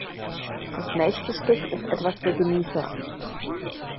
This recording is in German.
Das nächste Stück ist etwas für Genießer.